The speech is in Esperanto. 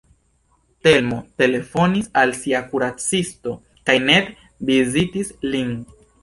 Telmo telefonis al sia kuracisto kaj Ned vizitis lin.